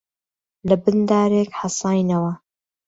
لەبن دارێک حەساینەوە